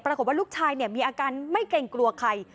ปรากฏว่าลูกชายมีอาการไม่เกรงกลัวใคร